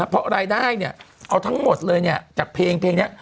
เพราะรายได้เนี่ยเอาทั้งหมดเลยเนี่ยจากเพลงนี้